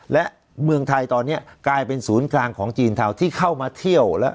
และเมืองไทยตอนนี้กลายเป็นศูนย์กลางของจีนเทาที่เข้ามาเที่ยวและ